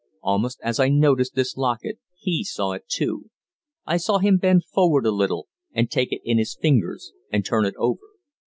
Almost as I noticed this locket, he saw it too. I saw him bend forward a little, and take it in his fingers, and turn it over.